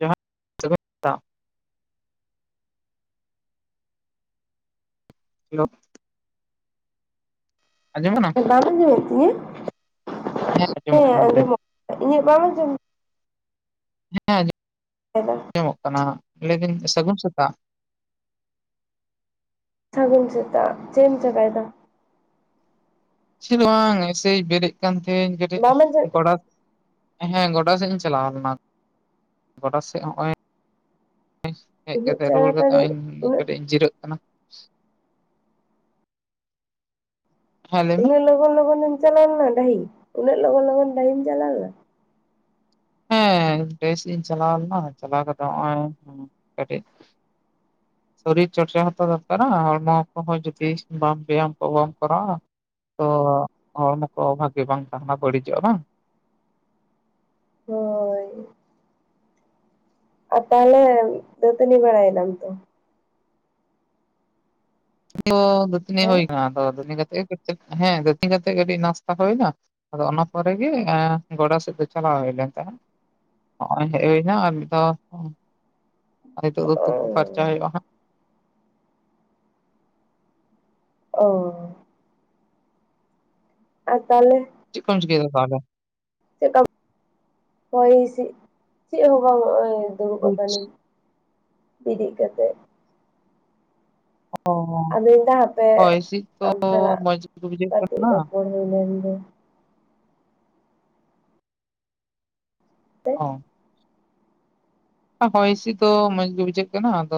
ᱡᱚᱦᱟᱸᱨ ᱥᱟᱜᱩᱱ ᱥᱮᱛᱟᱹᱜ [unintelligible] [unintelligible] ᱟᱸᱡᱚᱢ ᱠᱟᱱᱟ [unintelligible] ᱵᱮᱛᱤᱧ [unintelligible] ᱦᱮᱸ ᱟᱸᱡᱚᱢᱚᱜ ᱠᱟᱱᱟ᱾ [unintelligible] ᱦᱮᱸ ᱫᱟ ᱟᱸᱡᱚᱢᱚᱜ ᱠᱟᱱᱟ ᱞᱟᱹᱭᱫᱟᱹᱧ ᱥᱟᱜᱩᱱ ᱥᱮᱛᱟᱹᱜ ᱥᱟᱜᱩᱱ ᱥᱮᱛᱟᱹᱜ ᱪᱮᱫᱮᱢ ᱪᱤᱠᱟᱭ ᱮᱫᱟ? ᱪᱮᱫ ᱦᱚ ᱵᱟᱝ ᱮᱭ ᱥᱮᱭ ᱵᱮᱨᱮᱫ ᱠᱟᱱ ᱛᱟᱦᱮᱱᱹᱧ ᱠᱟᱹᱴᱤᱡ ᱵᱟᱢ ᱟᱸᱡᱚᱢ ᱜᱚᱰᱟ ᱦᱮᱸ ᱜᱚᱰᱟ ᱥᱮᱫ ᱤᱧ ᱪᱟᱞᱟᱣ ᱞᱮᱱᱟ ᱜᱳᱰᱟ ᱥᱮᱫ ᱦᱚᱸᱜᱼᱚᱭ ᱦᱮᱡ ᱩᱱᱟᱹᱜ ᱠᱟᱛᱮᱜ ᱨᱩᱣᱟᱹᱲ ᱠᱟᱛᱮᱜ ᱛᱟᱲᱟᱛᱟᱲᱤ ᱤᱧ ᱩᱱᱟᱹᱜ ᱠᱟᱹᱴᱤᱡ ᱤᱧ ᱡᱤᱨᱟᱹᱜ ᱠᱟᱱᱟ [inaudible] ᱦᱮᱸ ᱞᱟᱹᱭ ᱢᱮ ᱩᱱᱟᱹᱜ ᱞᱚᱜᱚᱱ ᱞᱚᱜᱚᱱ ᱮᱢ ᱪᱟᱞᱟᱣᱞᱱᱟ ᱰᱟᱹᱦᱤ ᱩᱱᱟᱹᱜ ᱞᱚᱜᱚᱱ ᱞᱚᱜᱚᱱ ᱰᱟᱹᱦᱤᱢ ᱪᱞᱟᱣᱱᱟ ᱦᱮᱸ ᱵᱮᱥ ᱤᱧ ᱪᱟᱞᱟᱣ ᱞᱮᱱᱟ ᱪᱟᱞᱟᱣ ᱠᱟᱛᱮᱜ ᱱᱚᱜᱼᱚᱭ ᱠᱟᱹᱴᱤᱡ ᱦ [unintelligible] ᱥᱚᱨᱤᱨ ᱪᱚᱨᱪᱟ ᱦᱚᱸᱛᱚ ᱫᱚᱨᱠᱟᱨᱟ ᱦᱚᱲᱢᱚ ᱠᱚ ᱦᱚ ᱡᱚᱫᱤ ᱵᱟᱝ ᱵᱮᱭᱟᱢ ᱠᱚ ᱵᱟᱢ ᱠᱚᱨᱟᱣᱟ ᱛᱚ ᱦᱚᱲᱢᱚ ᱠᱚ ᱵᱷᱟᱜᱮ ᱵᱟᱝ ᱛᱟᱦᱮᱱᱟ ᱵᱟᱹᱲᱤᱡᱚᱜᱼᱟ ᱵᱟᱝ [unintelligible] ᱦᱳᱭ ᱟᱨ ᱛᱟᱦᱚᱞᱮ ᱫᱟᱹᱛᱟᱹᱱᱤ ᱵᱟᱲᱟᱭᱱᱟᱢ ᱛᱚ ᱛᱚ ᱫᱟᱹᱛᱟᱹᱱᱤ ᱦᱮᱸ ᱦᱩᱭ ᱠᱟᱱᱟ ᱫᱚ ᱦᱮᱸ ᱜᱟᱛᱤᱧ ᱠᱟᱛᱮᱜ ᱠᱟᱹᱴᱤᱡ ᱱᱟᱥᱛᱟ ᱦᱩᱭᱱᱟ ᱟᱫᱚ ᱚᱱᱟ ᱯᱚᱨᱮᱜ ᱜᱮ ᱜᱚᱰᱟ ᱥᱮᱫ ᱫᱚ ᱪᱟᱞᱟᱣ [unintelligible] ᱱᱚᱜᱼᱚᱭ ᱦᱮᱡ ᱦᱩᱭᱱᱟ ᱫᱚ ᱟᱨ ᱱᱤᱛᱚᱜ ᱫᱚ ᱛᱩᱯᱩ ᱯᱷᱟᱨᱪᱟ ᱦᱩᱭᱩᱜᱼᱟ ᱦᱟᱸᱜ [inaudible] ᱚ ᱟᱨ ᱛᱟᱦᱚᱞᱮ ᱪᱮᱫᱠᱚᱢ ᱪᱤᱠᱟᱹᱭ-ᱫᱟ ᱛᱟᱦᱚᱞᱮ ᱪᱮᱫᱠᱟ ᱦᱚᱭ ᱦᱤᱥᱤᱫ ᱪᱮᱫ ᱦᱚᱸ ᱵᱟᱝᱚᱜᱼᱟ ᱫᱩᱲᱩᱵ ᱟᱠᱟᱱᱟᱧ ᱵᱮᱨᱮᱜ ᱠᱟᱛᱮ ᱚ ᱟᱫᱚ ᱤᱧᱫᱟ ᱦᱟᱯᱮ ᱦᱚᱭ ᱦᱤᱸᱥᱤᱫ ᱛᱚ ᱟᱢ ᱥᱟᱞᱟᱜ ᱢᱚᱸᱡᱽ ᱜᱮ ᱵᱩᱡᱷᱟᱹᱜ ᱠᱟᱹᱴᱤᱡ ᱠᱟᱱᱟ ᱨᱚᱯᱚᱲ ᱦᱩᱭ ᱞᱮᱱᱜᱮ ᱛᱚ ᱚ ᱦᱚᱭ ᱦᱤᱸᱥᱤᱫ ᱫᱚ ᱢᱚᱸᱡᱽ ᱜᱮ ᱵᱩᱡᱷᱟᱹᱜ ᱠᱟᱱᱟ ᱟᱫᱚ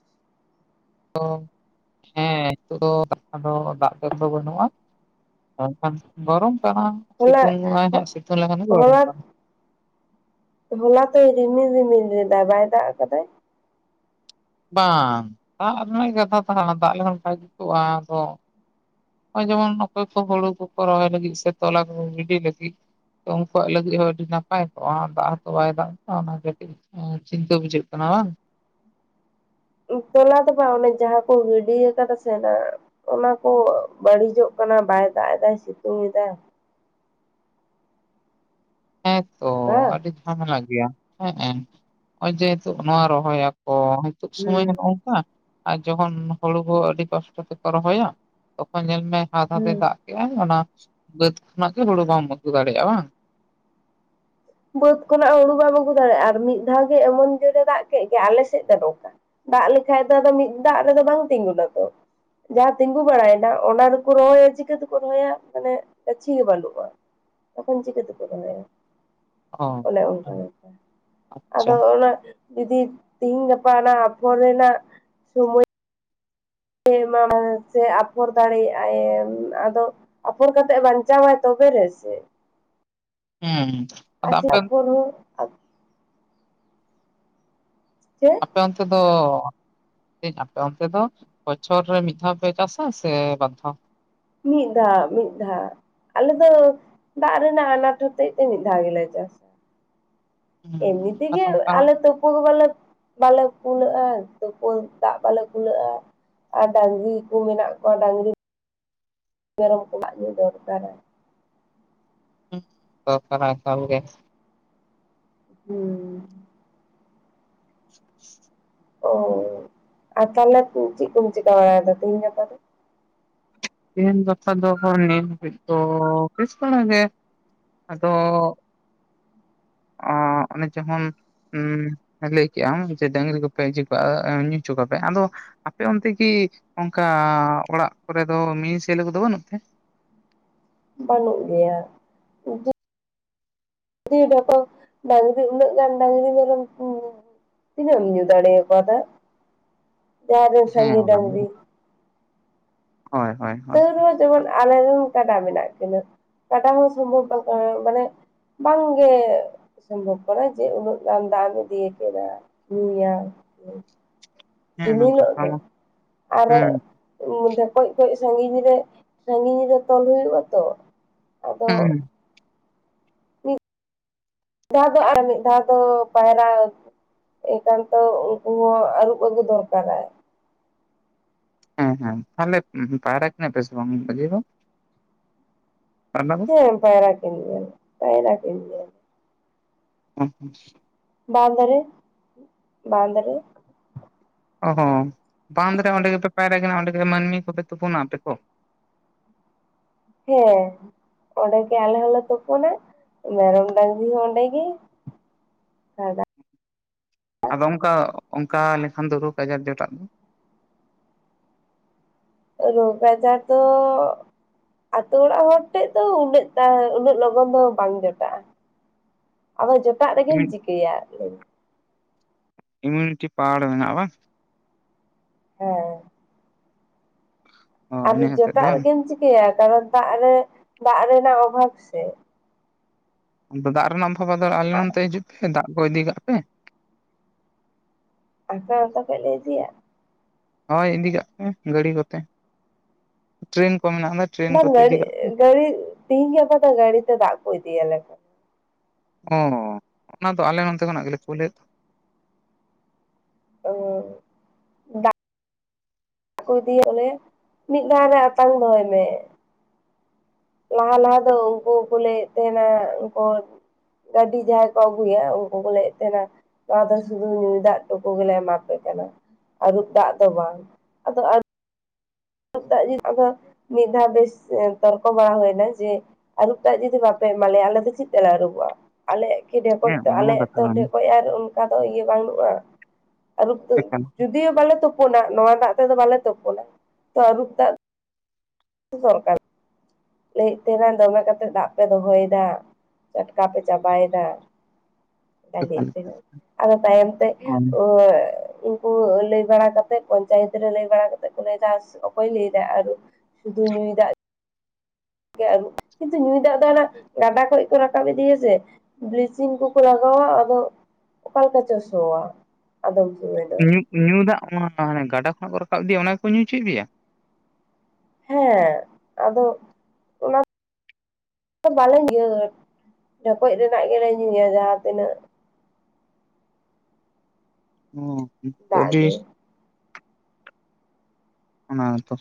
ᱦᱮᱸ ᱱᱤᱛᱚᱜ ᱫᱚ ᱫᱚ ᱫᱟᱜ ᱫᱚᱞ ᱫᱚ ᱵᱟᱹᱱᱩᱜᱼᱟ [unintelligible] ᱜᱚᱨᱚᱢ ᱠᱟᱱᱟ ᱦᱚᱞᱟ ᱥᱤᱛᱩᱝ ᱦᱚ ᱥᱤᱛᱩᱝ ᱞᱮᱠᱷᱟᱱ ᱜᱮ ᱜᱚᱨᱚᱢ ᱦᱚᱞᱟ ᱠᱟᱱᱟ ᱦᱚᱞᱟ ᱛᱚᱭ ᱨᱤᱢᱤᱞ ᱨᱤᱢᱤᱞ ᱨᱮᱫᱟᱭ ᱵᱟᱭ ᱫᱟᱜ ᱟᱠᱟᱫᱟᱭ? ᱵᱟᱝ ᱫᱟᱜ ᱨᱮᱱᱟᱜ ᱠᱟᱛᱷᱟ ᱛᱟᱦᱮᱱᱟ ᱫᱟᱜ ᱞᱮᱠᱷᱟᱱ ᱵᱟᱭ ᱡᱩᱛᱩᱜᱼᱟ ᱟᱫᱚ ᱡᱮᱢᱚᱱ ᱚᱠᱚᱭ ᱠᱚ ᱦᱩᱲᱩ ᱠᱚᱠᱚ ᱨᱚᱦᱚᱭ ᱞᱟᱹᱜᱤᱫ ᱥᱮ ᱛᱚᱞᱟ ᱠᱚᱠᱚ ᱜᱤᱰᱤ ᱞᱟᱹᱜᱤᱫ ᱛᱚ ᱩᱱᱠᱩᱣᱟᱜ ᱞᱟᱹᱜᱤᱫ ᱦᱚᱸ ᱟᱹᱰᱤ ᱱᱟᱯᱟᱭ ᱠᱚᱜᱼᱟ ᱫᱟᱜ ᱦᱚᱸᱛᱚ ᱵᱟᱭ ᱫᱟᱜ ᱮᱫᱟ ᱚᱱᱟ ᱜᱮ ᱠᱟᱹᱴᱤᱡ ᱪᱤᱱᱛᱟᱹ ᱵᱩᱡᱷᱟᱹᱜ ᱠᱟᱱᱟ ᱦᱮᱸ [unintelligible] ᱛᱚᱞᱟ ᱫᱚ ᱵᱟᱝ ᱚᱱᱮ ᱡᱟᱦᱟᱸ ᱠᱚ ᱜᱤᱰᱠᱟᱫᱟ ᱥᱮ ᱚᱱᱟ ᱠᱚ ᱵᱟᱹᱲᱤᱡᱚᱜ ᱠᱟᱱᱟ ᱵᱟᱭ ᱫᱟᱭ ᱫᱟᱭ ᱥᱤᱛᱩᱝ ᱮ ᱫᱟᱭ ᱦᱮᱸᱛᱚ ᱵᱟᱝ ᱟᱹᱰᱤ ᱡᱷᱟᱢᱮᱞᱟ ᱜᱮᱭᱟ ᱦᱮᱸ ᱱᱚᱜ ᱚᱚᱭ ᱡᱮ ᱱᱤᱛᱚᱜ ᱱᱚᱣᱟ ᱨᱚᱦᱚᱭᱟ ᱚ ᱱᱤᱛᱚᱜ ᱥᱳᱢᱚᱭ ᱦᱩᱸ ᱱᱚ ᱱᱚᱝᱠᱟ ᱟᱨ ᱡᱚᱠᱷᱚᱱ ᱦᱩᱲᱩ ᱠᱚ ᱟᱹᱰᱤ ᱠᱚᱥᱴᱚ ᱛᱮᱠᱚ ᱨᱚᱦᱚᱭᱟ ᱛᱚᱠᱷᱚᱱ ᱧᱮᱞ ᱦᱟᱛ ᱦᱟᱛᱮ ᱦᱩᱸ ᱮ ᱫᱟᱜ ᱠᱮᱫᱮᱜᱟᱭ ᱚᱱᱟ ᱵᱟᱹᱫᱽ ᱠᱷᱚᱱᱟᱜ ᱜᱮ ᱦᱩᱲᱩ ᱵᱟᱢ ᱟᱹᱜᱩ ᱫᱟᱲᱮᱭᱟᱜᱼᱟ ᱵᱟᱝ ᱵᱟᱹᱫᱽ ᱠᱷᱚᱱᱟᱜ ᱦᱩᱲᱩ ᱵᱟᱢ ᱟᱹᱜᱩ ᱫᱟᱲᱮᱭᱟᱜᱼᱟ ᱟᱨ ᱢᱤᱫ ᱫᱷᱟᱣ ᱜᱮ ᱮᱢᱚᱱ ᱡᱳᱨᱮ ᱮ ᱫᱟᱜ ᱠᱮᱫ ᱜᱮ ᱟᱞᱮ ᱥᱮᱫ ᱫᱚ ᱱᱚᱝᱠᱟ ᱫᱟᱜ ᱞᱮᱠᱷᱟ ᱫᱚ ᱟᱫᱚ ᱢᱤᱫ ᱫᱟᱜ ᱨᱮᱫᱚ ᱵᱟᱝ ᱛᱤᱸᱜᱩᱟᱱᱟ ᱛᱚ ᱡᱟᱦᱟᱸ ᱛᱤᱸᱜᱩ ᱵᱟᱲᱟᱭᱮᱱᱟ ᱚᱱᱟ ᱫᱚᱠᱚ ᱨᱚᱦᱚᱭᱟ ᱪᱤᱠᱟᱹ ᱛᱮᱠᱚ ᱨᱚᱦᱚᱭᱟ ᱢᱟᱱᱮ ᱜᱟᱹᱪᱷᱤ ᱜᱮ ᱵᱟᱹᱱᱩᱜᱼᱟ ᱛᱚᱠᱷᱚᱱ ᱪᱤᱠᱟᱹᱛᱮ ᱠᱚ ᱫᱚᱦᱚᱭᱟ ᱚ ᱚᱱᱮ ᱚᱱᱠᱟ ᱟᱪᱪᱷᱟ ᱟᱫᱚ ᱚᱱᱟ ᱡᱩᱫᱤ ᱛᱮᱤᱦᱤᱧ ᱜᱟᱯᱟ ᱚᱱᱟ ᱟᱯᱷᱚᱨ ᱨᱮᱱᱟᱜ ᱥᱚᱢᱚᱭ ᱥᱮ ᱮᱢᱟ ᱢᱟᱭ ᱥᱮ ᱟᱯᱷᱚᱨ ᱫᱟᱲᱮᱭᱟᱜᱼ ᱟᱭ ᱟᱫᱚ ᱟᱯᱷᱚᱨ ᱠᱟᱛᱮ ᱵᱟᱧᱪᱟᱣᱟᱭ ᱛᱚᱵᱮ ᱛᱚᱵᱮ ᱨᱮᱥᱮ ᱦᱩᱸ ᱟᱫᱚ ᱟᱥᱤ ᱟᱯᱮ ᱟᱯᱷᱚᱨ ᱦᱚ ᱪᱮ ᱟᱯᱮ ᱚᱱᱛᱮ ᱫᱚ ᱟᱯᱮ ᱚᱱᱛᱮ ᱫᱚ ᱵᱚᱪᱷᱚᱨ ᱨᱮ ᱢᱤᱫ ᱫᱷᱟᱣ ᱯᱮ ᱪᱟᱥᱟ ᱥᱮ ᱵᱟᱨ ᱫᱷᱟᱣ ᱢᱤᱫ ᱫᱷᱟᱣ ᱢᱤᱫ ᱫᱷᱟᱣ ᱟᱞᱮ ᱫᱚ ᱫᱟᱜ ᱨᱮᱱᱟᱜ ᱟᱱᱟᱴ ᱦᱚᱛᱮᱡ ᱛᱮ ᱢᱤᱫ ᱫᱷᱟᱣ ᱜᱮᱞᱮ ᱪᱟᱥᱟ ᱮᱢᱱᱤ ᱦᱩᱸ ᱛᱮᱜᱮ ᱟᱫᱚ ᱚᱱᱠᱟ ᱟᱞᱮ ᱛᱚᱯᱩ ᱜᱮ ᱵᱟᱞᱮ ᱩᱱᱟᱹᱜᱼᱟ ᱛᱩᱯᱳᱜ ᱫᱟᱜ ᱵᱟᱞᱮ ᱠᱩᱞᱟᱹᱜᱼᱟ ᱟᱨ ᱰᱟᱝᱨᱤ ᱠᱚ ᱢᱮᱱᱟᱜ ᱠᱚᱣᱟ ᱰᱟᱝᱨᱤ ᱢᱮᱨᱚᱢ ᱠᱚᱣᱟᱜ ᱧᱩ ᱫᱚᱨᱠᱟᱨᱟ ᱦᱩᱸ ᱫᱟᱨᱠᱟᱨᱟ ᱮᱠᱟᱞ ᱜᱮ ᱦᱩᱸ [inaudible] ᱚ ᱛᱟᱦᱞᱮ ᱪᱮᱫ ᱠᱚᱢ ᱪᱤᱠᱟᱹ ᱵᱟᱲᱟᱭᱫᱟ ᱛᱮᱦᱤᱧ ᱜᱟᱯᱟ ᱫᱚ? ᱛᱮᱦᱮᱧ ᱜᱟᱯᱟ ᱫᱚ ᱟᱵᱟᱨ ᱱᱤᱭᱟᱹ ᱜᱷᱟᱲᱤᱡ ᱫᱚ ᱵᱮᱥ ᱵᱟᱲᱟ ᱜᱮ ᱟᱫᱚ ᱚ ᱚᱱᱮ ᱡᱚᱦᱚᱱ ᱞᱟᱹᱭ ᱠᱮᱫᱮᱜᱟᱢ ᱰᱟᱹᱟᱝᱨᱤ ᱠᱚᱯᱮ ᱤᱭᱟ. ᱠᱚᱣᱟ ᱟᱫᱚ ᱟᱯᱮ ᱚᱱᱛᱮ ᱠᱤ ᱚᱱᱠᱟ ᱚᱲᱟᱜ ᱠᱚᱨᱮ ᱫᱚ ᱢᱮᱭᱮ ᱪᱷᱮᱞᱮ ᱠᱚᱫᱚ ᱵᱟᱹᱱᱩᱜ ᱛᱮ? ᱵᱟᱹᱱᱩᱜ ᱜᱮᱭᱟ ᱤᱫᱤᱭ ᱛᱟᱠ ᱰᱟᱝᱨᱤ ᱩᱱᱟᱹᱜ ᱜᱟᱱ ᱰᱟᱹᱟᱝᱨᱤ ᱢᱮᱨᱚᱢ ᱛᱤᱱᱟᱹᱜ ᱮᱢ ᱧᱩ ᱫᱟᱣᱲᱮ ᱟᱠᱚᱣᱟᱜ ᱫᱟᱜ ᱡᱟᱦᱟ ᱨᱮᱱ ᱦᱮᱸ ᱥᱟᱺᱜᱤ ᱚᱱᱟ ᱰᱟᱝᱨᱤ ᱦᱳᱭ ᱦᱳᱭ ᱦᱳᱭ ᱛᱟᱹᱣ ᱨᱮᱦᱚᱸ ᱡᱮᱢᱚᱱ ᱟᱞᱮᱨᱮᱱ ᱜᱟᱰᱟ ᱢᱮᱱᱟᱜ ᱠᱤᱱᱟᱹ ᱜᱟᱰᱟ ᱦᱚᱸ ᱥᱚᱢᱵᱷᱚᱵ ᱵᱟᱝ ᱠᱟᱱᱟ ᱢᱟᱱᱮ ᱵᱟᱝᱜᱮ ᱥᱚᱢᱵᱷᱚᱵ ᱠᱟᱱᱟ ᱡᱮ ᱩᱱᱟᱹᱜ ᱜᱟᱱ ᱫᱟᱜ ᱤᱫᱤ ᱟᱠᱟᱫᱟ ᱧᱩᱭᱟᱢ ᱫᱤᱱ ᱦᱮᱸ ᱦᱤᱞᱳᱜ ᱠᱟᱛᱷᱟ ᱫᱚ ᱢᱟ ᱟᱨ ᱦᱩᱸ ᱢᱤᱫ ᱠᱟᱹᱪ ᱠᱟᱹᱪ ᱥᱟᱹᱜᱤᱧ ᱨᱮ ᱥᱟᱹᱜᱤᱧ ᱨᱮ ᱛᱚᱞ ᱦᱩᱭᱩᱜ ᱟ ᱛᱚ ᱟᱫᱚ ᱦᱩᱸ ᱢᱤᱫ ᱫᱷᱟᱣ ᱫᱚ ᱟᱨ ᱢᱤᱫ ᱫᱷᱟᱣ ᱫᱚ ᱯᱟᱭᱨᱟ ᱮᱱᱠᱷᱟᱱ ᱛᱚ ᱩᱱᱠᱩ ᱦᱚᱸ ᱟᱹᱨᱩᱵ ᱟᱹᱜᱩ ᱫᱚᱨᱠᱟᱨᱟᱭ ᱦᱮᱸ ᱦᱮᱸ ᱛᱟᱦᱮ ᱯᱟᱭᱨᱟ ᱠᱤᱱᱟᱹ ᱯᱮᱥᱮ ᱵᱟᱝ ᱢᱟᱹᱡᱷᱤ ᱫᱚ ᱯᱟᱭᱨᱟ ᱫᱚ? ᱦᱮᱸ ᱯᱟᱭᱨᱟ ᱠᱤᱱ ᱜᱮᱭᱟᱞᱮ ᱯᱟᱭᱨᱟ ᱠᱤᱱ ᱜᱮᱭᱟᱞᱮ ᱟ [inaudible] ᱵᱟᱫ ᱨᱮ ᱵᱟᱫ ᱨᱮ ᱚ ᱦᱚᱸ ᱵᱟᱸᱫᱽ ᱨᱮ ᱚᱸᱰᱮ ᱜᱮᱯᱮ ᱯᱟᱭᱨᱟ ᱚᱸᱰᱮ ᱜᱮ ᱢᱟᱹᱱᱢᱤ ᱠᱚᱯᱮ ᱛᱩᱯᱩᱱᱟ ᱟᱯᱮ ᱠᱚ ᱦᱮᱸ ᱚᱸᱰᱮᱜᱮ ᱟᱞᱮ ᱦᱚᱸᱞᱮ ᱛᱩᱯᱳᱱᱟ ᱢᱮᱨᱚᱢ ᱰᱟᱹᱟᱝᱨᱤ ᱦᱚᱸ ᱚᱸᱰᱮᱜᱮ ᱥᱟᱜᱟᱫ ᱟᱫᱚ ᱚᱱᱠᱟ ᱚᱱᱠᱟ ᱞᱮᱠᱷᱟᱱ ᱫᱚ ᱨᱳᱜᱽ ᱟᱡᱟᱨ ᱡᱚᱴᱟᱜ ᱫᱚ ᱨᱳᱜᱚ ᱟᱡᱟᱨ ᱫᱚ ᱟᱹᱛᱩ ᱚᱲᱟᱜ ᱦᱚᱲ ᱴᱷᱮᱡ ᱫᱚ ᱩᱱᱟᱹᱜ ᱩᱱᱟᱹᱜ ᱞᱚᱜᱚᱱ ᱫᱚ ᱵᱟᱝ ᱡᱚᱴᱟᱜᱼᱟ ᱟᱫᱚ ᱡᱚᱴᱟᱜ ᱨᱮᱜᱮᱢ ᱪᱤᱠᱟᱹᱭᱟ ᱞᱟᱹᱭ ᱢᱮ ᱤᱢᱤᱭᱩᱱᱤᱴᱤ ᱯᱟᱣᱟᱨ ᱢᱮᱱᱟᱜᱼᱟ ᱵᱟᱝ ᱦᱮᱸ ᱚ ᱟᱨ ᱤᱱᱟᱹ ᱦᱚᱛᱮᱡ ᱫᱚ ᱡᱚᱴᱚᱣᱟᱜ ᱵᱟᱝ? ᱨᱮᱜᱮᱢ ᱪᱤᱠᱟᱹᱭᱟ ᱠᱟᱨᱚᱱ ᱫᱟᱜ ᱨᱮ ᱫᱟᱜ ᱨᱮᱱᱟᱜ ᱚᱵᱷᱟᱵ ᱥᱮ ᱟᱫᱚ ᱫᱟᱜ ᱨᱮᱱᱟᱜ ᱚᱵᱷᱟᱵᱽᱫᱚ ᱟᱞᱮ ᱱᱚᱱᱛᱮ ᱦᱤᱡᱩᱜ ᱯᱮ ᱫᱟᱜ ᱠᱚ ᱤᱫᱤ ᱠᱟᱜ ᱯᱮ ᱟᱯᱮ ᱟᱹᱛᱩ ᱠᱷᱚᱱ ᱞᱮ ᱤᱫᱤᱭᱟ ᱦᱳᱭ ᱤᱫᱤ ᱠᱟᱜ ᱯᱮ ᱜᱟᱹᱲᱤ ᱠᱚᱛᱮ ᱴᱨᱮᱹᱱ ᱵᱟᱝ ᱜᱟᱹᱲᱤ ᱜᱟᱹᱲᱤ ᱛᱮᱦᱤᱧ ᱜᱟᱯᱟ ᱫᱚ ᱜᱟᱹᱲᱤ ᱛᱮ ᱫᱟᱜ ᱠᱚ ᱤᱫᱤ ᱟᱞᱮ ᱠᱟᱱᱟ ᱚ ᱚᱱᱟ ᱫᱚ ᱟᱞᱮ ᱚᱱᱛᱮ ᱠᱷᱚᱱᱟᱜ ᱜᱮᱞᱮ ᱠᱩᱞ ᱮᱫ ᱚᱸᱻ ᱠᱚ ᱤᱸᱫᱤ ᱟᱞᱮ ᱢᱤᱫ ᱫᱷᱟᱣ ᱨᱮ ᱟᱛᱟᱝ ᱫᱚᱦᱚᱭ ᱢᱮ ᱞᱟᱦᱟ ᱞᱟᱦᱟ ᱫᱚ ᱩᱱᱠᱩ ᱠᱚ ᱞᱟᱹᱭᱮᱫ ᱛᱟᱦᱮᱱᱟ ᱩᱱᱠᱩ ᱜᱟᱹᱰᱤ ᱡᱟᱦᱟᱸᱭ ᱠᱚ ᱟᱹᱜᱩᱭᱟ ᱩᱱᱠᱩ ᱠᱚ ᱞᱟᱹᱭᱮᱫ ᱛᱟᱦᱮᱱᱟ ᱱᱚᱣᱟ ᱫᱚ ᱥᱩᱫᱩ ᱧᱩᱭ ᱫᱟᱜ ᱴᱩᱠᱩ ᱜᱮᱞᱮ ᱮᱢᱟᱯᱮ ᱠᱟᱱᱟ ᱟᱹᱨᱩᱵ ᱫᱟᱜ ᱫᱚ ᱵᱟᱝ ᱟᱫᱚ ᱟᱹᱨᱩᱵ ᱫᱟᱜ ᱡᱩᱫᱤ ᱫᱚ ᱢᱤᱫ ᱫᱷᱟᱣ ᱵᱮᱥ ᱛᱚᱨᱠᱚ ᱵᱟᱲᱟ ᱦᱩᱭᱱᱟ ᱡᱮ ᱟᱹᱨᱩᱵ ᱫᱟᱜ ᱡᱩᱫᱤ ᱵᱟᱯᱮ ᱢᱟᱞᱮ ᱟᱞᱮ ᱫᱚ ᱪᱮᱫ ᱛᱮᱞᱮ ᱨᱩᱵᱚᱜᱼᱟ ᱟᱞᱮ ᱠᱤ ᱰᱷᱮᱠᱚᱡ ᱦᱮᱸ ᱛᱚ ᱚᱱᱟ ᱢᱟ ᱟᱞᱮᱭᱟᱜ ᱠᱟᱛᱷᱟ ᱛᱚ ᱠᱟᱱ ᱰᱷᱮᱠᱚᱡ ᱟᱨ ᱚᱱᱠᱟ ᱫᱚ ᱤᱭᱟᱹ ᱵᱟᱹᱱᱩᱜᱼᱟ᱾ ᱟᱨᱩ ᱮᱠᱟᱞ ᱡᱩᱫᱤᱭᱳ ᱵᱟᱞᱮ ᱛᱩᱯᱩᱱᱟ ᱱᱚᱣᱟ ᱫᱟᱜ ᱛᱮᱫᱚ ᱵᱟᱞᱮ ᱛᱩᱯᱩᱱᱟ᱾ ᱛᱚ ᱟᱨᱩᱵ ᱫᱟᱜ ᱛᱚ ᱫᱚᱨᱠᱟᱨᱟ᱾ ᱞᱟᱹᱭᱮᱫ ᱛᱟᱦᱮᱱᱟ ᱫᱚᱢᱮ ᱠᱟᱛᱮᱫ ᱫᱟᱜ ᱯᱮ ᱫᱚᱦᱚᱭᱮᱫᱟ ᱴᱟᱴᱠᱟ ᱯᱮ ᱪᱟᱵᱟᱭᱮᱫᱟ᱾ ᱚᱱᱠᱟᱭ ᱮᱠᱟᱞ ᱞᱟᱭᱮᱫ ᱮᱠᱟᱞ ᱛᱟᱦᱮᱱᱟ ᱛᱟᱭᱚᱢ ᱛᱮ ᱚ ᱚᱻ [unintelligible] ᱩᱱᱠᱩ ᱞᱟᱹᱭ ᱵᱟᱲᱟ ᱠᱟᱛᱮᱫ ᱯᱚᱧᱪᱟᱭᱮᱛ ᱨᱮ ᱞᱟᱹᱭ ᱵᱟᱲᱟ ᱠᱟᱛᱮᱫ ᱠᱚ ᱞᱟᱹᱭᱫᱟ ᱚᱠᱚᱭ ᱞᱟᱹᱭ ᱫᱟ ᱟᱨ ᱥᱩᱫᱩ ᱧᱩᱭ ᱫᱟᱜ ᱟᱹᱨᱩ ᱠᱤᱱᱛᱩ ᱧᱩᱭ ᱫᱟᱜ ᱫᱚ ᱦᱟ ᱜᱟᱰᱟ ᱠᱷᱚᱡ ᱠᱚ ᱨᱟᱠᱟᱵ ᱤᱫᱤᱭᱟ ᱥᱮ ᱵᱤᱞᱤᱪᱤᱝ ᱠᱚᱠᱚ ᱞᱟᱜᱟᱣ ᱼᱟ ᱟᱫᱚ ᱚᱠᱟ ᱞᱮᱠᱟ ᱪᱚ ᱥᱚᱣᱟ ᱟᱫᱚᱢ ᱥᱚᱢᱚᱭ ᱫᱚ ᱧᱩ ᱧᱩ ᱫᱟᱜ ᱜᱟᱰᱟ ᱠᱷᱚᱱᱟᱜ ᱠᱚ ᱨᱟᱠᱟᱵ ᱤᱫᱤᱭᱟ ᱚᱱᱟ ᱜᱮᱠᱚ ᱧᱩ ᱦᱚᱪᱚᱭᱮᱫ ᱯᱮᱭᱟ? ᱦᱮᱸ ᱟᱫᱚ ᱚᱱᱟ ᱵᱟᱞᱮ ᱧᱩ ᱰᱷᱚᱠᱚᱡ ᱨᱮᱱᱟᱜ ᱜᱮᱞᱮ ᱧᱩᱭᱟ ᱡᱟᱦᱟᱸ ᱛᱤᱱᱟᱹᱜ ᱚᱸᱻ ᱛᱚ ᱫᱟᱜ ᱟᱹᱰᱤ ᱜᱮ ᱚᱱᱟ ᱛᱚ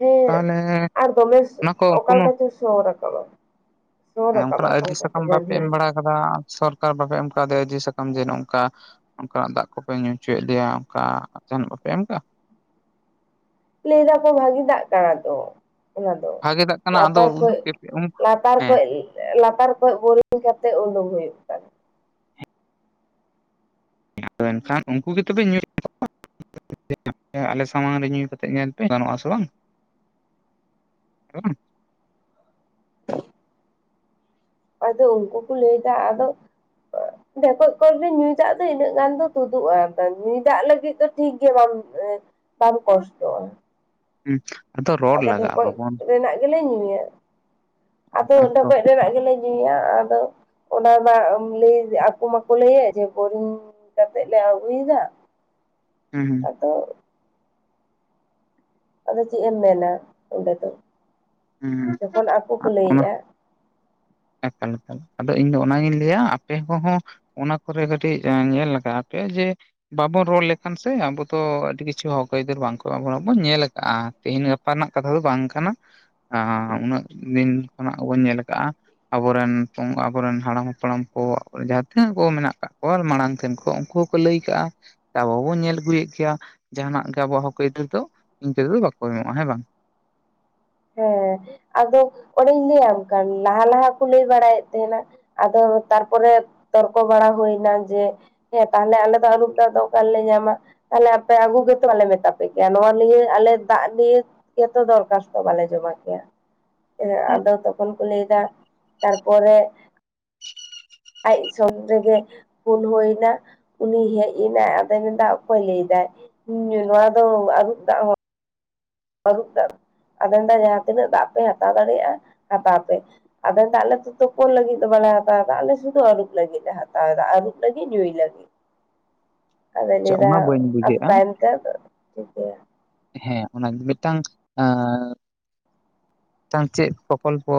ᱦᱮᱸ ᱛᱟᱦᱚᱞᱮ ᱟᱨ ᱫᱚᱢᱮ ᱚᱱᱟ ᱠᱚ ᱚᱠᱟ ᱠᱳᱱᱳ ᱞᱮᱠᱟ ᱪᱚ ᱥᱚ ᱨᱟᱠᱟᱵ ᱼᱟ᱾ ᱦᱮᱸ ᱚᱱᱠᱟᱱᱟᱜ ᱟᱹᱫᱤ ᱥᱟᱠᱟᱢ ᱵᱟᱯᱮ ᱮᱢ ᱵᱟᱲᱟ ᱟᱠᱟᱫᱟ ᱥᱚᱨᱠᱟᱨ ᱵᱟᱯᱮ ᱮᱢ ᱠᱟᱣᱫᱮᱭᱟ ᱡᱤ ᱥᱟᱠᱟᱢ ᱡᱮ ᱱᱚᱝᱠᱟ ᱚᱝᱠᱟᱱᱟᱜ ᱫᱟᱜ ᱠᱚᱯᱮ ᱧᱩ ᱦᱚᱪᱚᱭᱮᱫ ᱞᱮᱭᱟ ᱚᱱᱠᱟ [unintelligible] ᱮᱢᱠᱟ ᱞᱟᱹᱭ ᱫᱟᱯᱮ ᱵᱷᱟᱜᱤ ᱫᱟᱜ ᱠᱟᱱᱟ ᱛᱚ ᱚᱱᱟ ᱫᱚ ᱵᱷᱟᱜᱮ ᱫᱟᱜ ᱠᱟᱱᱟ ᱟᱫᱚ ᱞᱟᱛᱟᱨ ᱠᱷᱚᱡ ᱩᱫᱩᱜ ᱯᱮ ᱞᱟᱛᱟᱨ ᱦᱮᱸ ᱠᱷᱚᱡ ᱞᱟᱛᱟᱨ ᱠᱷᱚᱡ ᱵᱳᱨᱤᱝ ᱠᱟᱛᱮᱫ ᱩᱰᱩᱝ ᱦᱩᱭᱩᱜ ᱠᱟᱱᱟ᱾ ᱟᱫᱚ ᱮᱱᱠᱷᱟᱱ ᱩᱱᱠᱩ ᱜᱮ ᱛᱚᱵᱮᱧ ᱠᱚᱣᱟ ᱟᱞᱮ ᱥᱟᱢᱟᱝ ᱨᱮ ᱧᱩ ᱠᱟᱛᱮ ᱧᱮᱞ ᱯᱮ ᱜᱟᱱᱚᱜ ᱟᱥᱮ ᱵᱟᱝ [unintelligible] ᱟᱫᱚ ᱩᱱᱠᱩ ᱠᱚ ᱞᱟᱹᱭᱫᱟ ᱟᱫᱚ ᱰᱷᱮᱠᱚᱡ ᱠᱚᱞ ᱧᱩᱭ ᱫᱟᱜ ᱫᱚ ᱤᱱᱟᱹᱜ ᱜᱟᱱ ᱫᱚ ᱛᱩᱫᱩᱜᱼᱟ ᱧᱩᱭ ᱫᱟᱜ ᱞᱟᱹᱜᱤᱫ ᱫᱚ ᱴᱷᱤᱠᱜᱮᱭᱟ ᱵᱟᱝ [unintelligible] ᱵᱟᱢ ᱠᱚᱥᱴᱚ ᱼᱟ ᱦᱮᱸ ᱟᱫᱚ ᱰᱷᱮᱠᱚᱡ ᱨᱮᱱᱟᱜ ᱜᱮᱞᱮ ᱧᱩᱭᱟ ᱟᱫᱚ ᱦᱮᱸᱛᱚ ᱰᱷᱮᱠᱚᱡ ᱨᱮᱱᱟᱜ ᱜᱮᱞᱮ ᱧᱩᱭᱟ ᱟᱫᱚ ᱚᱱᱟ ᱱᱟ ᱞᱟᱹᱭ ᱟᱠᱚ ᱢᱟᱠᱚ ᱞᱟᱹᱭᱟ ᱡᱮ ᱵᱳᱨᱤᱝ ᱠᱟᱛᱮᱜ ᱞᱮ ᱟᱹᱜᱩᱭᱮᱫᱟ ᱦᱩᱸ ᱟᱫᱚ ᱟᱫᱚ ᱪᱮᱫ ᱮᱢ ᱢᱮᱱᱟ ᱚᱸᱰᱮ ᱫᱚ ᱦᱩᱸ ᱦᱩᱸ ᱡᱚᱠᱷᱚᱱ ᱟᱠᱚ ᱠᱚ ᱚᱱᱟ ᱞᱟᱹᱭᱮᱫᱼᱟ [inaudible] ᱟᱫᱚ ᱤᱧ ᱫᱚ ᱚᱱᱟᱜᱤᱧ ᱞᱟᱹᱭᱟ ᱟᱯᱮ ᱠᱚᱦᱚᱸ ᱚᱱᱟ ᱠᱚᱨᱮ ᱠᱟᱹᱴᱤᱡ ᱧᱮᱞ ᱞᱟᱜᱟᱣ ᱟᱯᱮ ᱡᱮ ᱵᱟᱵᱚᱱ ᱨᱚᱲ ᱞᱮᱠᱷᱟᱱ ᱥᱮ ᱟᱵᱚ ᱫᱚ ᱟᱹᱰᱤ ᱠᱤᱪᱷᱩ ᱦᱚᱠ ᱟᱹᱭᱫᱟᱹᱨ ᱵᱟᱝ ᱠᱚ ᱮᱢᱟ ᱵᱚᱱᱟ ᱧᱮᱞ ᱟᱠᱟ ᱼᱟ ᱜᱟᱯᱟᱱᱟᱜ ᱠᱟᱛᱷᱟ ᱫᱚ ᱵᱟᱝ ᱠᱟᱱᱟ ᱩᱱᱟᱹᱜ ᱫᱤᱱ ᱠᱷᱚᱱᱟᱜ ᱵᱚᱱ ᱧᱮᱞ ᱟᱠᱟᱜᱼᱟ ᱟᱵᱚᱨᱮᱱ ᱟᱵᱚᱨᱮᱱ ᱦᱟᱲᱟᱢ ᱦᱟᱯᱲᱟᱢ ᱠᱚ ᱡᱟᱦᱟᱸ ᱛᱤᱱᱟᱹᱜ ᱠᱚ ᱢᱮᱱᱟᱜ ᱠᱟᱜ ᱠᱚᱣᱟ ᱢᱟᱲᱟᱝ ᱛᱮᱱ ᱠᱚ ᱩᱱᱠᱩ ᱦᱚᱸᱠᱚ ᱞᱟᱹᱭ ᱠᱟᱜᱼᱟ ᱟᱵᱚ ᱦᱚᱸ ᱵᱚᱱ ᱧᱮᱞ ᱟᱹᱜᱩᱭᱮᱫ ᱜᱮᱭᱟ ᱡᱟᱦᱟᱱᱟᱜ ᱜᱮ ᱟᱵᱚᱣᱟᱜ ᱦᱚᱠ ᱟᱹᱭᱫᱟᱹᱨ ᱫᱚ ᱤᱱᱠᱟᱹ ᱛᱮᱫᱚ ᱵᱟᱠᱚ ᱮᱢᱚᱜᱼᱟ ᱦᱮᱸ ᱵᱟᱝ ᱦᱮᱸ ᱟᱫᱚ ᱚᱸᱰᱮᱧ ᱞᱟᱹᱭᱟᱢ ᱠᱟᱱ ᱞᱟᱦᱟ ᱞᱟᱦᱟ ᱠᱚ ᱞᱟᱹᱭ ᱵᱟᱲᱟᱭᱮᱫ ᱛᱟᱦᱮᱱᱟ ᱟᱫᱚ ᱛᱟᱨᱯᱚᱨᱮ ᱛᱚᱨᱠᱚ ᱵᱟᱲᱟ ᱦᱩᱭᱱᱟ ᱡᱮ ᱦᱮᱸ ᱛᱟᱦᱞᱮ ᱟᱞᱮ ᱫᱚ ᱟᱹᱨᱩᱵ ᱫᱟᱜ ᱫᱚ ᱚᱠᱟ ᱨᱮᱞᱮ ᱧᱟᱢᱟ ᱟᱯᱮ ᱟᱹᱜᱩ ᱜᱮᱛᱚ ᱵᱟᱞᱮ ᱢᱮᱛᱟ ᱯᱮ ᱠᱮᱭᱟ ᱱᱚᱣᱟ ᱱᱤᱭᱟᱹᱮ ᱟᱞᱮ ᱫᱟᱜ ᱱᱤᱭᱮ ᱡᱚᱛᱚ ᱫᱚᱨᱠᱟᱨ ᱵᱟᱞᱮ ᱡᱚᱢᱟ ᱠᱮᱭᱟ ᱟᱫᱚ ᱛᱚᱠᱷᱚᱱ ᱠᱚ ᱞᱟᱹᱭᱫᱟ ᱛᱟᱨᱯᱚᱨᱮ ᱟᱡ ᱥᱚᱢ ᱨᱮᱜᱮ ᱯᱷᱳᱱ ᱦᱩᱭᱱᱟ ᱩᱱᱤ ᱦᱮᱡ ᱮᱱᱟᱭ ᱟᱫᱚᱭ ᱢᱮᱱᱫᱟ ᱚᱠᱚᱭ ᱞᱟᱹᱭᱫᱟ ᱱᱚᱣᱟ ᱫᱚ ᱟᱹᱨᱩᱵ ᱫᱟᱜ ᱦᱚᱸ ᱟᱨᱩᱯ ᱫᱟᱜ ᱟᱫᱚ ᱢᱮᱱᱛᱮ ᱡᱟᱦᱟᱸ ᱛᱤᱱᱟᱹᱜ ᱫᱟᱜ ᱯᱮ ᱦᱟᱛᱟᱣ ᱫᱟᱲᱮᱭᱟᱜᱼᱟ ᱦᱟᱛᱟᱣ ᱯᱮ ᱟᱫᱚ ᱫᱟᱜ ᱟᱞᱮ ᱛᱳᱯ ᱞᱟᱹᱜᱤᱫ ᱫᱚ ᱵᱟᱝ ᱦᱟᱛᱟᱣ ᱠᱟᱜᱟ ᱞᱮ ᱥᱩᱫᱩ ᱟᱞᱩᱵ ᱞᱟᱹᱜᱤᱫ ᱞᱮ ᱦᱟᱛᱟᱣᱫᱟ ᱟᱹᱨᱩᱵ ᱞᱟᱹᱜᱤᱫ ᱧᱩᱭ ᱞᱟᱹᱜᱤᱫ᱾ ᱟᱫᱚᱭ ᱟᱪᱪᱷᱟ ᱞᱟᱭ ᱫᱟᱻ ᱚᱱᱟ ᱵᱟᱹᱧ ᱵᱩᱡᱷᱟᱹᱜᱼᱟ ᱛᱟᱭᱚᱢ ᱛᱮ ᱟᱫᱚᱻ ᱴᱷᱤᱠ ᱜᱮᱭᱟ ᱦᱮᱸ ᱚᱱᱟᱜᱮ ᱢᱤᱫᱴᱟᱝ ᱟᱸᱻ ᱢᱤᱫᱴᱟᱝ ᱪᱮᱫ ᱯᱨᱚᱠᱚᱞᱯᱚ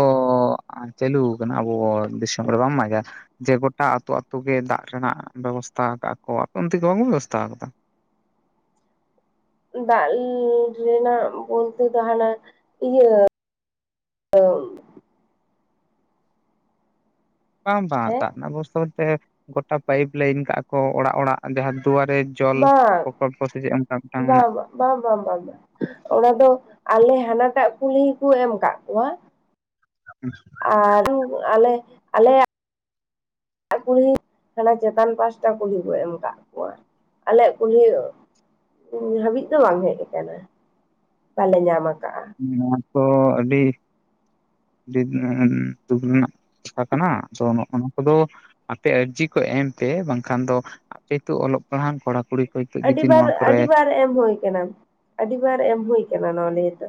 ᱪᱟᱹᱞᱩ ᱠᱟᱱᱟ ᱟᱵᱚ ᱫᱤᱥᱚᱢ ᱨᱮ ᱵᱟᱢ ᱵᱟᱲᱟᱭ ᱜᱮᱭᱟ? ᱡᱮ ᱜᱚᱴᱟ ᱟᱹᱛᱩᱛᱳ ᱜᱮ ᱫᱟᱜ ᱨᱮᱱᱟᱜ ᱵᱮᱵᱚᱥᱛᱷᱟ ᱟᱠᱟᱜᱟᱠᱚ ᱟᱯᱮ ᱩᱱᱛᱮ ᱠᱤ ᱵᱟᱠᱚ ᱵᱮᱵᱚᱥᱛᱷᱟ ᱟᱠᱟᱫᱟ? [inaudible] ᱫᱟᱜ ᱨᱮᱱᱟᱜ ᱵᱚᱞᱛᱮ ᱫᱚ ᱦᱟᱱᱟᱻ ᱤᱭᱟᱹᱻ [unintelligible] ᱵᱟᱝ ᱵᱟᱝ ᱦᱮᱸ ᱫᱟᱜ ᱨᱮᱱᱟᱜ ᱵᱮᱵᱚᱥᱛᱟᱷᱟ ᱵᱚᱞᱛᱮ ᱜᱚᱴᱟ ᱯᱟᱭᱤᱯ ᱞᱟᱹᱭᱤᱱ ᱠᱟᱜᱼᱟ ᱠᱚ ᱚᱲᱟᱜ ᱚᱲᱟᱜ ᱡᱟᱦᱟᱸ ᱫᱩᱣᱟᱨᱮ ᱡᱚᱞ ᱵᱟᱝ ᱯᱨᱚᱠᱚᱞᱯᱚ ᱥᱮ ᱪᱮᱫ ᱚᱱᱠᱟ ᱢᱤᱫᱴᱟᱝ ᱢᱮᱱᱟᱜ ᱵᱟᱝ ᱵᱟᱝ ᱵᱟᱝ ᱵᱟᱝ ᱵᱟᱝ ᱚᱱᱟ ᱫᱚ ᱟᱞᱮ ᱦᱟᱱᱟᱴᱟᱜ ᱠᱩᱞᱦᱤ ᱠᱚ ᱮᱢ ᱠᱟᱜ ᱠᱚᱣᱟ ᱟᱨ ᱟᱞᱮᱻ ᱟᱞᱮᱭᱟᱜ ᱟᱞ ᱠᱩᱞᱦᱤ ᱦᱟᱱᱟ ᱪᱮᱛᱟᱱ ᱯᱟᱥᱴᱟ ᱠᱩᱞᱦᱤ ᱠᱚ ᱮᱢ ᱠᱟᱜ ᱠᱚᱣᱟ ᱟᱞᱮᱭᱟᱜ ᱠᱩᱞᱦᱤᱻ ᱦᱟᱹᱵᱤᱡ ᱫᱚ ᱵᱟᱝ ᱦᱮᱡ ᱟᱠᱟᱱᱟ ᱵᱟᱞᱮ ᱧᱟᱢ ᱟ ᱱᱚᱣᱟ ᱛᱚ ᱟᱹᱰᱤᱻ ᱟᱰᱤ ᱫᱩᱠ ᱨᱮᱱᱟᱜ ᱠᱟᱛᱷᱟ ᱠᱟᱱᱟ ᱛᱚ ᱱᱚᱝᱠᱟ ᱫᱚ ᱦᱟᱱᱛᱮ ᱟᱨᱡᱤ ᱠᱚ ᱮᱢ ᱯᱮ ᱵᱟᱝᱠᱷᱟᱱ ᱫᱚ ᱟᱯᱮᱛᱚ ᱚᱞᱚᱜ ᱯᱟᱲᱦᱟᱜ ᱠᱚᱲᱟ ᱠᱩᱲᱤ ᱠᱚ ᱱᱤᱛᱚᱜ ᱡᱩᱫᱤ ᱟᱹᱰᱤᱵᱟᱨ ᱱᱚᱣᱟ ᱠᱚᱨᱮ ᱟᱹᱰᱤᱵᱟᱨ ᱮᱢ ᱦᱩᱭ ᱠᱟᱱᱟ ᱟᱹᱰᱤᱵᱟᱨ ᱮᱢ ᱦᱩᱭ ᱠᱟᱱᱟ ᱱᱚᱜ ᱱᱤᱭᱟᱹ ᱛᱮ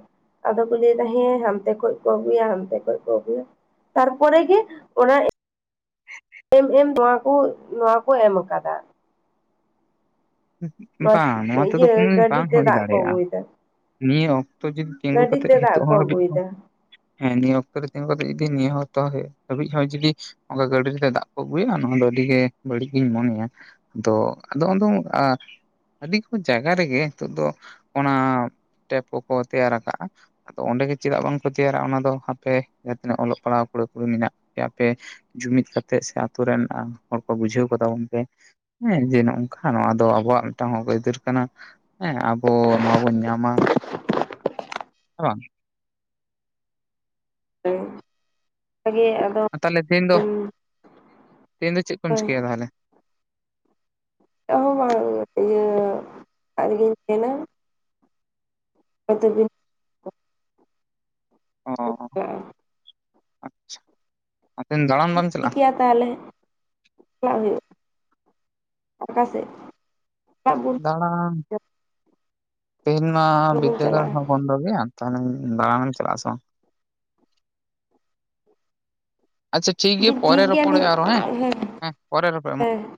ᱟᱫᱚ ᱠᱚ ᱞᱟᱹᱭᱫᱟ ᱦᱮᱸ ᱦᱟᱱᱛᱮ ᱠᱷᱚᱡ ᱠᱚ ᱟᱹᱜᱩᱭᱟ ᱦᱟᱱᱛᱮ ᱠᱷ ᱠᱚ ᱟᱹᱜᱩᱭᱟ᱾ ᱛᱟᱨᱯᱚᱨᱮ ᱜᱮ ᱚᱱᱟ ᱮᱢ ᱮᱢ ᱱᱚᱣᱟ ᱠᱚ ᱱᱚᱣᱟ ᱠᱚ ᱮᱢ ᱟᱠᱟᱫᱟ᱾ ᱵᱟᱝ ᱱᱚᱣᱟ ᱛᱮᱫᱚ ᱤᱭᱟᱹ ᱠᱳᱱᱳ ᱫᱤᱱ ᱵᱟᱝ ᱜᱟᱹᱰᱤᱛᱮ ᱦᱩᱭ ᱫᱟᱜ ᱠᱚ ᱫᱟᱲᱮᱭᱟᱜᱼᱟ ᱟᱹᱜᱩᱭᱮᱫᱟ ᱱᱤᱭᱟᱹ ᱚᱠᱛᱚ ᱛᱚ ᱡᱚᱫᱤ ᱛᱤᱸᱜᱩ ᱠᱟᱛᱮ ᱜᱟᱹᱰᱤᱛᱮ ᱫᱟᱜ ᱱᱤᱛᱚᱜ ᱠᱚ ᱦᱚᱸ ᱦᱟᱹᱵᱤᱡ ᱟᱹᱜᱩᱭᱮᱫᱟ ᱦᱮᱸ ᱱᱤᱭᱟᱹ ᱚᱠᱛᱚ ᱨᱮ ᱛᱤᱸᱜᱩ ᱠᱟᱛᱮ ᱡᱚᱫᱤ ᱱᱤᱭᱟᱹ ᱦᱚᱛᱚ ᱦᱟᱹᱤᱡ ᱦᱚᱸ ᱡᱚᱫᱤ ᱚᱱᱠᱟ ᱜᱟᱹᱰᱤ ᱨᱮ ᱫᱟᱜ ᱠᱚ ᱟᱹᱜᱩᱭᱟ ᱚᱱᱟ ᱟᱹᱰᱤᱜᱮ ᱵᱟᱹᱲᱤᱡ ᱜᱤᱧ ᱢᱚᱱᱮᱭᱟ ᱟᱫᱚ ᱟᱫᱚ ᱟᱫᱚᱻ ᱟᱹᱰᱤ ᱠᱚ ᱡᱟᱭᱜᱟ ᱨᱮᱜᱮ ᱱᱤᱛᱚᱜ ᱫᱚ ᱚᱱᱟᱻ ᱴᱮᱯ ᱠᱚᱠᱚ ᱛᱮᱭᱟᱨ ᱟᱠᱟᱟᱜᱼᱟ ᱟᱫᱚ ᱚᱸᱰᱮᱜ ᱪᱮᱫᱟᱜ ᱵᱟᱝᱠᱚ ᱛᱮᱭᱟᱨᱟ ᱚᱱᱟ ᱫᱚ ᱦᱟᱯᱮ ᱡᱟᱦᱟᱸ ᱛᱤᱱᱟᱹᱜ ᱚᱞᱚᱜ ᱯᱟᱲᱦᱟᱣ ᱠᱚᱲᱟ ᱠᱩᱲᱤ ᱢᱮᱱᱟᱜ ᱯᱮᱭᱟ ᱟᱯᱮ ᱡᱩᱢᱤᱫ ᱠᱟᱛᱮ ᱥᱮ ᱟᱹᱛᱩ ᱨᱮᱱ ᱦᱚᱲ ᱠᱚ ᱵᱩᱡᱷᱟᱹᱣ ᱠᱟᱛᱟᱵᱚᱱ ᱯᱮ ᱦᱮᱸ ᱡᱮ ᱱᱚᱜ ᱱᱚᱝᱠᱟ᱾ ᱱᱚᱣᱟ ᱫᱚ ᱟᱵᱚᱣᱟᱜ ᱢᱤᱫᱴᱟᱝ ᱦᱚᱸᱜ ᱟᱹᱭᱫᱟᱹᱨ ᱠᱟᱱᱟ ᱦᱮᱸ ᱟᱵᱚ ᱱᱚᱣᱟ ᱵᱚᱱ ᱧᱟᱢᱟ᱾ ᱦᱮᱵᱟᱝ ᱦᱩᱻ ᱛᱟᱦᱚᱞᱮ ᱛᱮᱦᱮᱧ ᱫᱚ ᱛᱮᱦᱮᱧ ᱫᱚ ᱪᱮᱫ ᱠᱚᱢ ᱪᱤᱠᱟᱭᱟ ᱛᱟᱦᱚᱞᱮ ᱪᱮᱜᱦᱚᱸ ᱵᱟᱝ ᱟᱜᱮᱧ ᱮᱱᱟ [unintelligible] ᱟᱫᱚ ᱵᱤᱱ ᱟᱪᱷᱟ ᱟᱪᱷᱟ ᱴᱷᱤᱠ ᱜᱮᱭᱟ ᱛᱟᱦᱚᱞᱮ ᱪᱟᱞᱟᱜ ᱦᱩᱭᱩᱜᱼᱟ᱾ ᱚᱠᱟ ᱥᱮᱜ ᱫᱟᱬᱟᱱ ᱛᱮᱦᱮᱧ ᱢᱟ ᱦᱚᱲ ᱵᱚᱱ ᱵᱤᱫᱟᱹᱜᱟᱲ ᱪᱟᱞᱟᱜᱼᱟ ᱦᱚᱸ ᱵᱚᱱ ᱜᱮ᱾ ᱛᱟᱦᱮᱱᱮᱧ ᱫᱟᱬᱟᱱᱮᱢ ᱪᱟᱞᱟᱜᱼᱟ ᱥᱮ ᱵᱟᱝ? ᱟᱪᱷᱟ ᱴᱷᱤᱠ ᱜᱮᱭᱟ ᱯᱚᱨᱮ ᱨᱚᱯᱚᱲᱚᱜᱼᱟ ᱟᱨᱚ ᱦᱮᱸ ᱦᱮᱸ ᱯᱚᱨᱮ ᱨᱚᱯᱚᱲ ᱢᱟ᱾